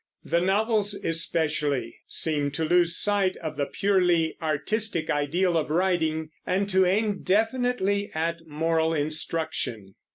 The novels especially seem to lose sight of the purely artistic ideal of writing, and to aim definitely at moral instruction.